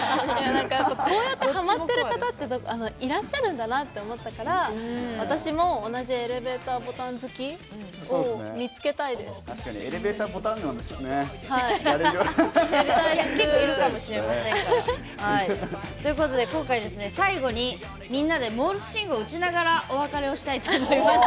こうやってハマってる方っていらっしゃるんだなって思ったから私も同じエレベーターボタン好きをエレベーターボタン沼もやりたいです！ということで今回、最後にみんなでモールス信号を打ちながらお別れをしたいと思います。